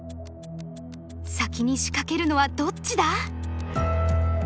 先に仕掛けるのはどっちだ！